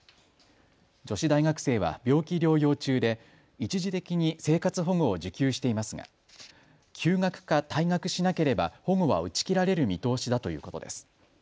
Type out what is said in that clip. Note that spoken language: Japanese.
女子大学生は病気療養中で一時的に生活保護を受給していますが休学か退学しなければ保護は打ち切られる見通しだということです。